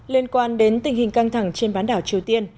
liên quan đến tình hình căng thẳng trên bán đảo triều tiên